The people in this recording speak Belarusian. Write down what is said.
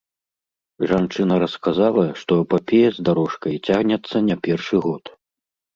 Жанчына расказала, што эпапея з дарожкай цягнецца не першы год.